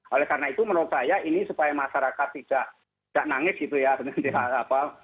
oleh karena itu menurut saya ini supaya masyarakat tidak nangis gitu ya